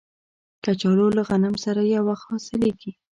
کچالو له غنم سره یو وخت حاصلیږي